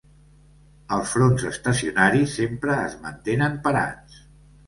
Els fronts estacionaris sempre es mantenen parats.